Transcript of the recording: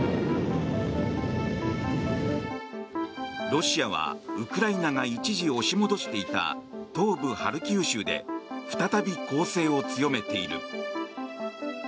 ロシアはウクライナが一時押し戻していた東部ハルキウ州で再び攻勢を強めている。